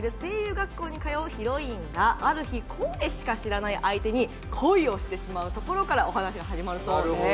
学校に通うヒロインがある日、声しか知らない相手に恋をしてしまうところからお話が始まるそうです。